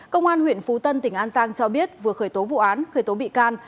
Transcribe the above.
công an huyện phú tân tỉnh an giang cho biết vừa khởi tố vụ án khởi tố bị can